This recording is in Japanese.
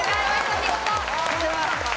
お見事！